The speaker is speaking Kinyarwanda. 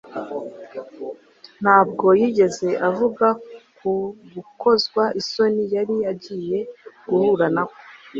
Ntabwo yigeze avuga ku gukozwa isoni yari agiye guhura nako,